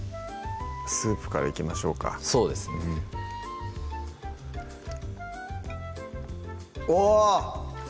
スープからいきましょうかそうですねおっ！